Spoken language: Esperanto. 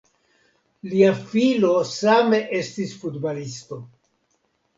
Lia filo same estis futbalisto.